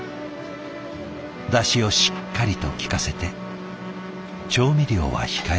だしをしっかりと効かせて調味料は控えめに。